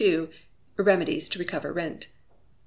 Remedies to Recover Rent.